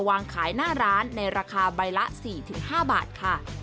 วางขายหน้าร้านในราคาใบละ๔๕บาทค่ะ